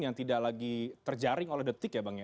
yang tidak lagi terjaring oleh detik ya bang ya